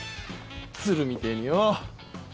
鶴みてえによ！